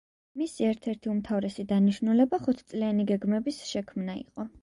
მისი ერთ-ერთი უმთავრესი დანიშნულება ხუთწლიანი გეგმების შექმნა იყო.